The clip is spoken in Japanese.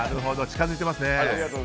近づいてますね。